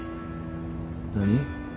何？